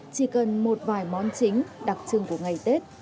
chỉ cần một vài món chính đặc trưng của ngày tết